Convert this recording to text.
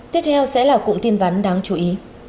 tiếp theo sẽ là cụ tin vấn đáng chú ý